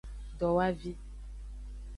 Dowavi.